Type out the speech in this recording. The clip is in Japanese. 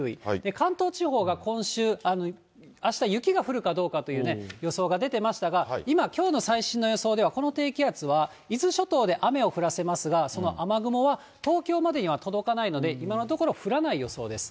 関東地方が今週、あした、雪が降るかどうかという予想が出ていましたが、今、きょうの最新の予想では、この低気圧は、伊豆諸島で雨を降らせますが、その雨雲は東京までには届かないので、今のところ、降らない予想です。